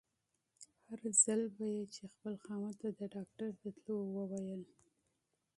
هر ځل به يې چې خپل خاوند ته د ډاکټر د تلو ويل.